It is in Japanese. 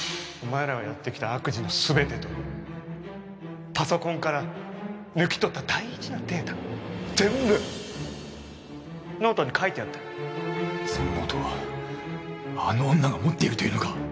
お前らがやってきた悪事のすべてとパソコンから抜き取った大事なデータを全部ノートに書いてやったそのノートをあの女が持っているというのか。